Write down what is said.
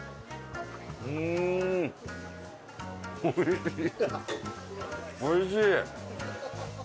おいしい！